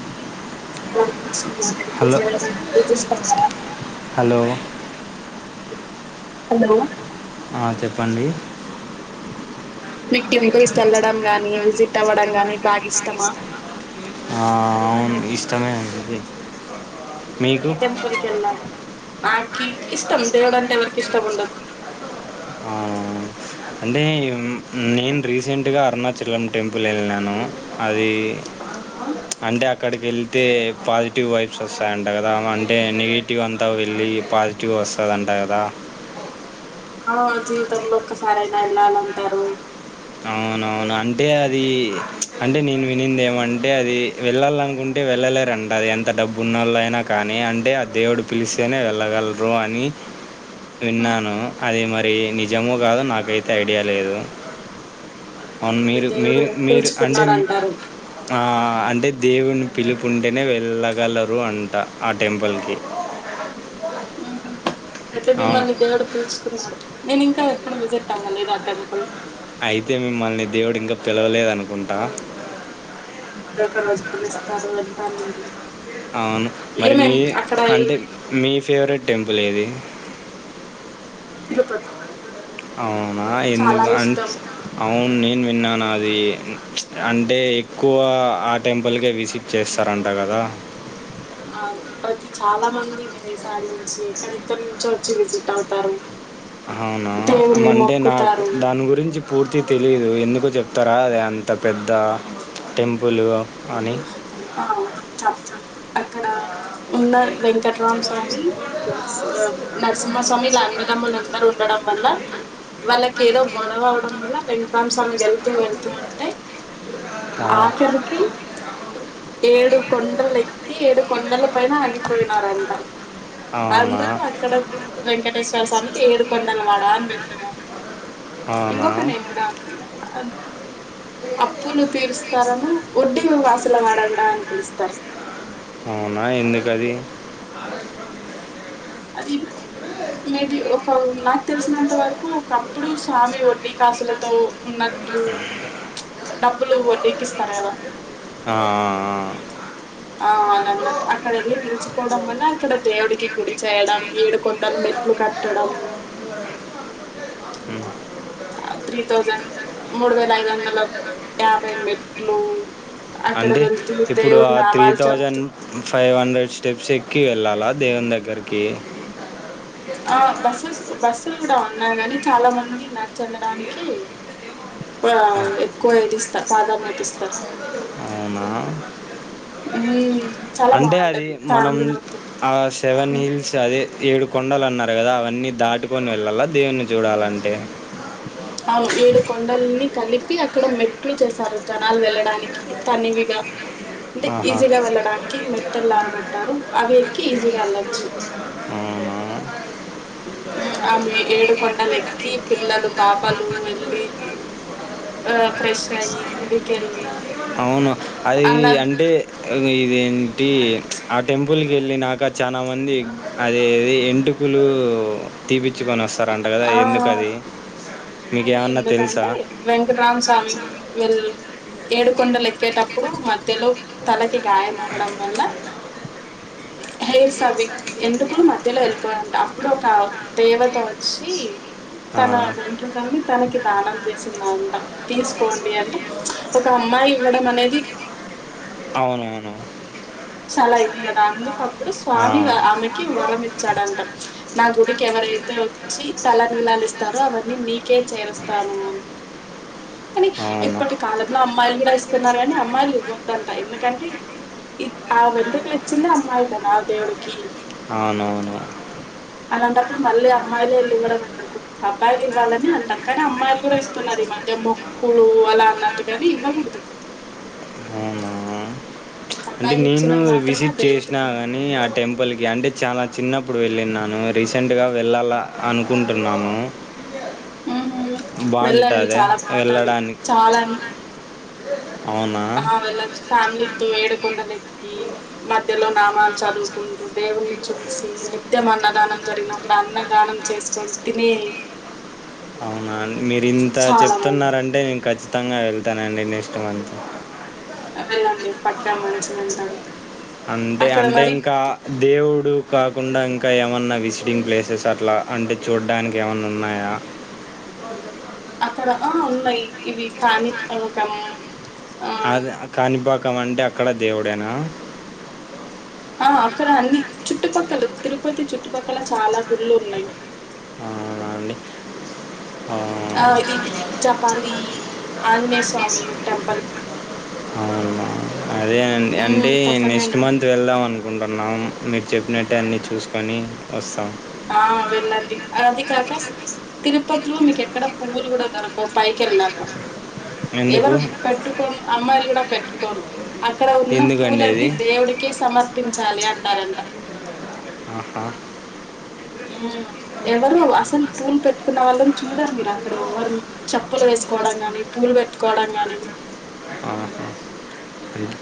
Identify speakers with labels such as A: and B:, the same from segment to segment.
A: ఒకే time pass కి
B: hello
A: [inaudible]
B: hello
A: hello
B: ఆ చెప్పండి
A: మీకు టెంపుల్స్ కేళ్ళడం గాని విజిట్ అవ్వడం గాని బాగా ఇష్టమా
B: ఆ అవును ఇష్టమే అండి ఇది
A: ఏ టెంపుల్కి ఎల్లారు నాకి ఇష్టం దేవుడు అంటే ఎవరికి ఇష్టం ఉండదు
B: ఆ అంటే నేను రీసెంట్గా అరుణాచలం టెంపుల్ ఎల్లాను అది
A: ఆ
B: అంటే అక్కడికి వెళ్ళి అయితే పాజిటివ్ వైబ్స్ వస్తాయంట గదా అంటే నెగిటివ్ అంతా వెళ్ళి పాజ్ పాసిటివ్ వస్తదంట గదా
A: ఆ జీవితంలో ఒక్కసారన్న వెళ్ళాలంటారు
B: అవునవును అంటే అది ప్చ్ అంటే నేను వినింది ఏమంటే, అది వెళ్ళాలనుకుంటే వెళ్ళలేరంట, అది ఎంత డబ్బున్నోలు అయినా కానీ, అంటే ఆ దేవుడు పిలిస్తేనే వెళ్ళగలరు అని. విన్నాను అది మరీ నిజ్ జమ్మూ కాదు నాకైతే ఐడియా లేదు
A: అయితే
B: అవును
A: మిమ్మల్ని
B: మీరు
A: దేవుడు
B: మీరు మీరు అంటే
A: పిలుచుకున్నాడు అంటారు
B: ఆ అంటే దేవుని పిలుపుంటేనే వెళ్ళగలరు అంట ఆ టెంపుల్కి
A: హు హ్మ్ అయితే
B: అవును
A: మిమ్మల్ని దేవుడు పిల్చుకున్నాడు నేను ఇంకా ఇప్పుడు విసిట్ అవ్వలేదా టెంపుల్
B: అయితే మిమ్మల్ని దేవుడు ఇంకా పిలవలేద్ అనుకుంటా
A: [unintelligible] ఒక్క రోజు పిలుస్తారు వెళ్తా నేను
B: అవును మరి మీ
A: ఏమేం అక్కడ
B: అంటే మీ ఫేవరెట్ టెంపుల్ ఏది
A: తిరుపతి
B: అవ్ అవ్నా
A: చాలా
B: ఎందుకు అని
A: ఇష్టం
B: [inaudible] అవును నేను విన్నాను అది ప్చ్ అంటే ఎక్కువ ఆ టెంపుల్కే విసిట్ చేస్తారంట కదా.
A: ఆ ప్రతి చాలా మంది విదేశాల నుంచి ఎక్కడెక్కడ నుంచో వచ్చి విజిట్ అవుతారు.
B: హ్ అవునా
A: దేవుని
B: అంటే నాకు
A: మొక్కుతారు
B: దాని గురించి పూర్తి తెలీదు ఎందుకో చెప్తారా అద అంత పెద్ద టెంపులు
A: ఆ చెప్తాను అక్కడ ఉన్న వెంకట్రామ స్వామి ప్లస్ నరసింహస్వామి వీళ్ళ అన్నదమ్ములందరూ ఉండడం వల్ల వాళ్ళకి ఏదో గొడవ అవడం వల్ల వెంకట్రామ స్వామి వెళ్తూ వెళ్తూ అంటే.
B: ఆ,
A: ఆఖరికి ఏడు కొండలు ఎక్కి ఏడు కొండల పైన ఆగిపోయినారంట
B: అవునా
A: అందుకాక్కడం వెంకటేశ్వర స్వామికి ఏడుకొండల వాడ అని పెట్టారు ఇం
B: అవునా
A: గొక నేమ్ కూడా అద్ అప్పులు తీరుస్తారను వొడ్డీలు వాసుల వాడంటా అని పిలుస్తారు
B: అవునా ఎందుకు అది
A: అది మేబి ఒక నాకు తెలిసినంత వరకు ఒకప్పుడు స్వామి వడ్డీ కాసులతో ఉన్నట్టు ప్చ్ డబ్బులు వడ్డీకిస్తారు కద.
B: ఆహాహా హ
A: ఆ అనన్నట్ అక్కడ వెళ్ళి నిలిచిపోవడం వల్ల అక్కడ దేవుడికి గుడి చేయడం ఏడు కొండలు మెట్లు కట్టడం.
B: ఉమ్.
A: ఆ త్రీ థౌజండ్ మూడు వేల ఐదు వందల యాభై మెట్లు అక్కడ
B: అంటే
A: వెళ్తూ
B: ఇప్పుడు
A: దేవుడి
B: ఆ త్రీ
A: నామాలు
B: థౌజండ్
A: చదువుతూ
B: ఫైవ్ హండ్రెడ్ స్టెప్స్ ఎక్కి వెళ్ళాలా దేవుని దగ్గరకి
A: ఆ బస్సెస్ బస్సులు కూడా ఉన్నా గాని చాలా మంది నడుచెళ్లడానికి వేవాం ఎక్కువ ఇది ఇస్తా ప్రాధాన్యత ఇస్తా
B: అవునా
A: హ్మ్మ్.
B: అంటే అది మనం ఆ సెవెన్ హిల్స్ అది ఏడు కొండలు అన్నారు కదా అవన్నీ దాటుకొని వెళ్ళాలా దేవున్ని చూడాలంటే
A: అవు ఏడు కొండల్ని కలిపి అక్కడ మెట్లు చేసారు జనాలు వెళ్ళడానికి తనివిగా. అంటే
B: ఆహా
A: ఈజీగా వెళ్ళడానికి మె తెలాగ బెట్టారు అవి ఎక్కి ఈజీగా వెళ్లొచ్చు
B: అవునా
A: మ్మ్ ఆ మీ ఏడుకొండలు ఎక్కి పిల్లలు పాపలు వెళ్ళి ఆ ఫ్రెష్ అయి గుడికెళ్ళి.
B: అవును అది
A: అన్న
B: అంటే ఈ ఇదేంటి ప్చ్ ఆ టెంపుల్కి వెళ్ళినాక చాలా మంది అదే ఎంటుకలు తీపి.
A: ఆ అది
B: మీకేమన్నా తెలుసా
A: ఎందుకంటే వెంకట్రామ స్వామి వెళ్ళు ఏడుకొండలు ఎక్కేటప్పుడు మధ్యలో తలకి గాయం అవ్వడం వల్ల హెయిర్సవి ఎందుకు మధ్యలో వెళ్ళిపోయంట, అప్పుడు ఒక దేవత వ చ్చి
B: ఆ
A: తన వెంట్రుకల్ని తనకి దానం చేసిందంట తీసుకోండి అంటే ఒక అమ్మాయి ఇవ్వడం అనేది.
B: అవును అవును
A: చాలా ఇది కదా అందుకప్పుడు స్వామి ఆమెకి వరం ఇచ్చాడంట నా గుడికి ఎవరైతే వచ్చి తల నీలాలు ఇస్తారో అవన్నీ నీకే చేరుస్తాను
B: ఆ
A: అని కనీ
B: అవునా
A: ఇప్పటి కాలంలో అమ్మాయిలు కూడా ఇస్తున్నారు, కాని అమ్మాయిలు ఇవ్వద్దంట ఎందుకంటే, ఇ ఆ వెంటుకలిచ్చిందే అమ్మాయి కదా దేవుడికి
B: అవునవును.
A: అలాంటప్పుడు మళ్ళీ అమ్మాయిలెళ్ళివ్వడం ఎందుకు అబ్బాయిలు ఇవ్వాలని అంటాం కానీ అమ్మాయిలు కూడా ఇస్తున్నారు ఈ మధ్య మొక్కు అలా అన్నట్టుగాని ఇవ్వకూడదు.
B: అవునా! అంటే
A: అబ్బాయిలు
B: నేను
A: ఇచ్చినవి మాత్రమే ఆ
B: విజిట్ చేసినా
A: దేవతకి
B: గాని ఆ టెంపుల్ కి అంటే చాలా చిన్నప్పుడు వెళ్ళిన్నాను రీసెంట్గా వెళ్ళాల అనుకుంటున్నాము
A: హుహ్మ్ వెళ్ళండి చాలా బాగుంటది
B: వెళ్ళడానికి?
A: చాలాం
B: అవునా!
A: ఆ వెళ్లచ్చు ఫ్యామిలీ తో ఏడుకొండ లెక్కి మధ్యలో నామాలు చదువుకుంటూ దేవుణ్ణి చూసి నిత్యం అన్నదానం జరిగినప్పుడు అన్నదానం చేసుకొని తిని.
B: అవునా మీరు ఇంత
A: చాలా బాగుంది
B: చెప్తున్నారంటే నేన్ ఖచ్చ్ త్తంగా వెళ్తానండి నెక్స్ట్ మంత్
A: ఆ వెళ్ళండి పక్కా మంచిగ ఉంటారు
B: అంతే అంటే ఇంకా దేవుడు కాకుండా ఇంకా ఏమన్నా విసిడింగ్ ప్లేసెస్ అట్లా అంటే చూడ్డానికి ఏమన్న ఉన్నాయా.
A: అక్కడ ఆ ఉన్నయి ఇవి కాణిపాకం
B: అద కానిపా కం అంటే అక్కడ దేవుడేనా
A: ఆ అక్కడ అన్ని చుట్టుపక్కల తిరుపతి చుట్టుపక్కల చాలా గుళ్ళు ఉన్నయి
B: అవునా అండి
A: ఆ ఇది జపాలి ఆంజనేయ స్వామి టెంపల్
B: అవునా అదే అం అంటే
A: ఉమ్ పక్కనే
B: నెక్స్ట్
A: ఉన్నది
B: మంత్ వెళ్దాం అను కుంటున్నాం మీరు చెప్పినట్టే అన్నీ చూసుకొని వస్తాం
A: ఆ వెళ్ళండి అది కాక స్ తిరుపతిలో మీకెక్కడ పువ్వులు కూడా దొరకవు పైకెళ్ళాక
B: ఎందుకు
A: ఎవరు పెట్టుకోను అమ్మాయిలు కూడా పెట్కోరు అక్కడ ఉన్న
B: ఎందుకండి ఇది
A: పూలన్నీ దేవుడికే సమర్ పించాలి అంటారంట
B: ఆహా
A: ఉ ఎవరు అసలు పూలు పెట్టుకున్న వాళ్ళని చూడరు మీరు అక్కడ ఎవరు చెప్పులు వేసుకోవడం కాని పూలు పెట్టుకోవడం గాని
B: ఆహా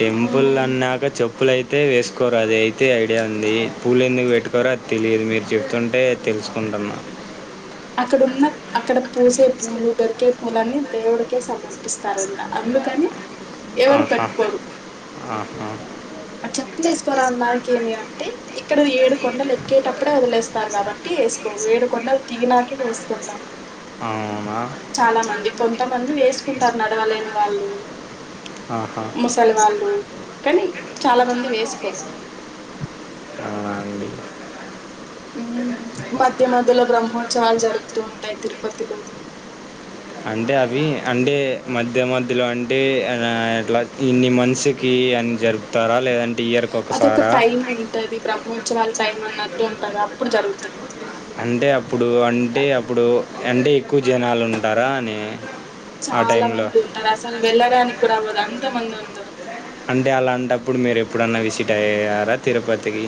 B: టెంపుల్
A: మ్మ్
B: అన్నాక చెప్ ప్పులయితే వేసుకోరు అది అయితే ఐడియా ఉంది పూలు ఎందుకు పెట్టుకోరో అది తెలిదు మీరు చెప్తుంటే తెలుసుకుంటున్నా
A: అక్కడ ఉన్న అక్కడ పూసే పూలు దొరికే పూలన్నీ దేవుడికే సమర్పిస్తారంట అందుకని ఎవరు
B: ఆహా
A: పెట్టుకోరు
B: ఆహా
A: అ చెప్పులేసుకోరు అనడానికి ఏమి అంటే ఇక్కడ ఏడు కొండలు ఎక్కేటప్పుడే వదిలేస్తారు కాబట్టి యేసుకోరు ఏడు కొండలు దిగినాకే వేసుకుంటాం
B: అవునా
A: చాలా మంది కొంతమంది వేసుకుంటారు నడవలేని వాళ్ళు
B: ఆహా
A: ముసలి వాళ్ళు కనీ చాలా మంది వేసుకోరు
B: అవునా అండి
A: ఉ మధ్య మధ్యలో బ్రహ్మోత్సవాలు జరుపుతూ ఉంటాయి తిరుపతిలో
B: అంటే అవి అంటే మధ్య మధ్యలో అంటే ఆ ఎట్లా ఇన్ని మనిషికి అని జరుపుతారా లేదం
A: అదొక టైమ్ ఉంటది బ్రము త్సవాలు టైం అన్నట్టు ఉంటది అప్పుడు జరుగుతది
B: అంటే అప్పుడు అంటే అప్పుడు అంటే ఎక్కువ జనాలుంటారా అని ఆ
A: చాలా
B: టైంలో
A: మంది ఉంటారు అసలు వెళ్ళడానికి కూడా అవ్వదు అన్ త మంది ఉంటారు
B: అంటే అలాంటపుడు మీరు ఎప్పుడన్నా విసిట్ అయ్యారా తిరుపతికి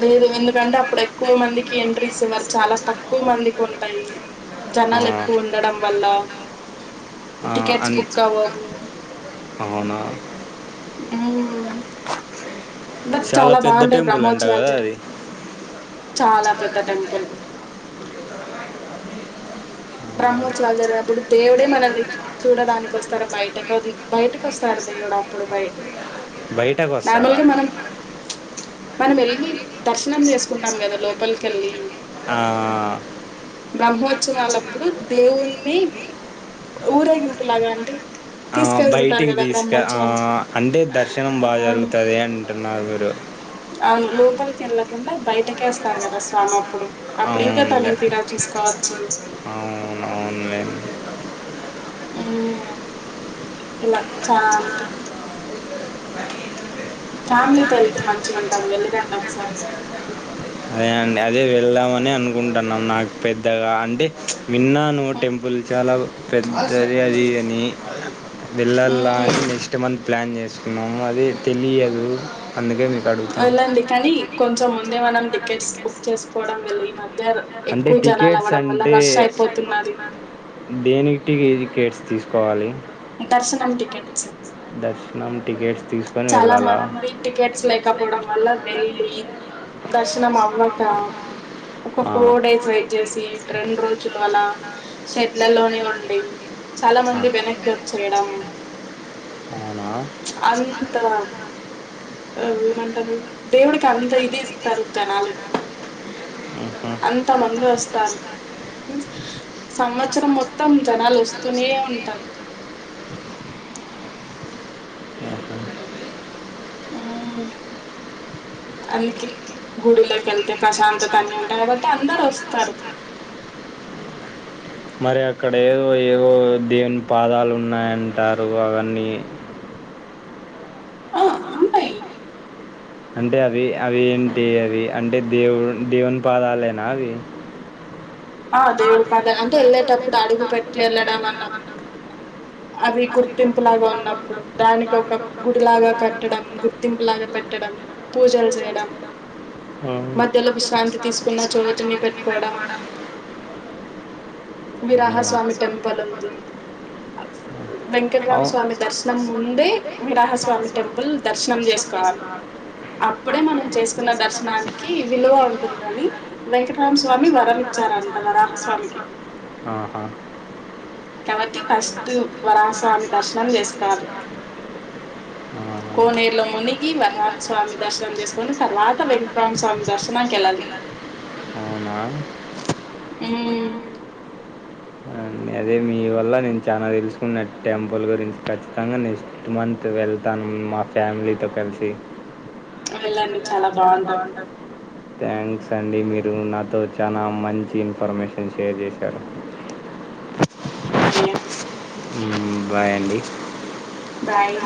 A: లేదు ఎందుకంటే అపుడు ఎక్కువ మందికి ఎంట్రీస్ ఇవరు చాలా తక్కువ మందికి ఉంటాయి జనాలు
B: ఆ,
A: ఎక్కువ ఉండడం వల్ల
B: ఆ,
A: టికెట్స్
B: అన్-
A: బుక్ అవ్వవు
B: అవునా
A: ఉ బట్ చాలా
B: పెద్ద
A: బాగుండయి
B: టెంపుల్ అంట
A: బ్రహ్మోత్సవాలు
B: కదా
A: జరి
B: అది
A: చాలా పెద్ద టెంపుల్ బ్రహ్మోత్సవాలు జరిగినపుడు దేవుడే మనల్ని చూ చూడడానికి వస్తాడు బయటకు బయటికి వస్తాడు దేవుడు అపుడు బాయ్
B: బయట గోస్తారా
A: మనం వెళ్ళి దర్శనం చేసుకుంటాం కదా లోపల్కి వెళ్ళి
B: ఆ
A: బ్రహ్మోత్సవాలాపుడు దేవుల్ని ఊరేగింపు లాగా అంటే
B: ఆ
A: తీసుకెళ్తుంటారు
B: బయటికి
A: కదా
B: తీసుకరా
A: బ్రహ్మోత్సవం
B: అంటే దర్శనం బా
A: అవును
B: జరుగుతాది అంటున్నారు డు
A: అవును లోపలికి వెళ్ళకుండా బయటకే వస్తారు కదా స్వామి అపుడు
B: అవునులే అవునవులే
A: హు ఇలాంచంతు ఫ్యామిలీతో వెళ్తే మంచిగా ఉంటది వెళ్లిరాండి ఒకసారి
B: అదే అండి అదే వెళదామనే అనుకుంటున్నాం నాకు పెద్దగా అండి విన్నాను టెంపుల్ చాలా పెద్దది అది అని వెళ్ళాలా అని
A: మ్మ్
B: నెక్స్ట్ మంత్ ప్లాన్ చేసుకున్నాము అది తెలియదు అందుకే మీకు అడుగుతాం
A: అలాండి కానీ కొంచం దే మనం టికెట్స్ బుక్ చేసుకోవడం వెళ్లి మాక్
B: అంటే టికెట్స్ అంటే
A: అయిపోతున్నది
B: దేనిక్ టీ టికెట్స్ తీసుకోవాలి
A: దర్శనం టికెట్స్
B: దర్చ్ నామ్
A: చాలా మంది టికెట్స్ లేకపోవడం వల్ల వెళ్ళి దర్శనం అవకా ఒకొక్క
B: ఆ,
A: ఫోర్ డేస్ వెయిట్ చేసి రెండు రోజులు అలా షేడ్లలోనే ఉండి చాలా మంది వెనక్కి వచ్చేయడం
B: అవునా
A: అంత హు మంటరూ దేవుడికి అంత ఇది ఇస్తారు జనాలు
B: ఉహు,
A: అంత మంది వస్తారు సంవత్సరం మొత్తం జనాలు వస్తూనే ఉంటారు
B: అక
A: అందుకి గుడిలోకి వెళ్తే ప్రశాంతత అనే ఉంటాయి కాబట్టి అందరుూ వస్తారు
B: మరి అక్కడ ఏదో ఏదో దేవుని పాదాలు ఉన్నాయంటారు అవన్నీ
A: ఆ ఉనాయి
B: అంటే అవి అవి ఏంటి అవి అంటే దేవు దేవుని పాదాలేనా అవి ఆ
A: దేవుడి
B: దే
A: పద
B: పాల అంటే వెళ్ళేటప్పుడు
A: అడుగు
B: అల్లు
A: పెట్టి
B: పెట్టు
A: అన్న
B: వెళ్ళడం అన్నం అవి గుట్తింపులాగా ఉన్నాం దానిట్ ఒక గుడిలాగా కట్టడం గుర్తింపులాగా కట్టడం పూజలు చేయడం
A: మధ్యలో
B: పందులకు
A: విశ్రాంతి
B: శాంతి తీసుకున్న
A: చోటుని
B: చవిటుని పెట్టుకోవడం
A: విరాహస్వామి టెంపుల్ ఉంది
B: వెంకటేశ్వర
A: వెంకటరామస్వామి దర్శనం ముందే విరాహస్వామి టెంపుల్ దర్శనం చేసుకోవాలి అప్పుడే మనం చేసుకున్న దర్శనానికి విలువ ఉంటుందని వెంకటరామస్వామి వరలి అంటవరాహస్వామికి
B: ఆహా
A: కాబట్టి ఫస్ట్ వరాహస్వామి దర్శనం చేసుకోవాలి కోనేరులో మునిగి వరహస్వామి దర్శనం చేసుకొని తర్వాత వెంకటరామ స్వామి దర్శనానికి వెళ్ళాలి ఉమ్
B: వునా అ అదే మీ వల్ల నేను చాలా తెలుసుకున్న టెంపుల్ గురించి ఖచ్చితంగా నెక్స్ట్ మంత్ వెళ్తాను మా ఫ్యామిలీతో కలిసి
A: వెళ్ళండి
B: చాలా బాగుంటది థ్యాంక్స్ అండి మీరు నాతో చాలా మంచి ఇన్ఫర్మేషన్ షేర్ చేశారు
A: [unintelligible]
B: ఊ బాయ్ అండి.
A: బాయ్